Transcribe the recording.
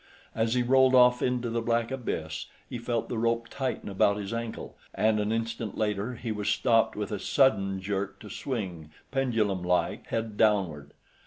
As he rolled off into the black abyss he felt the rope tighten about his ankle and an instant later he was stopped with a sudden jerk to swing pendulumlike, head downward.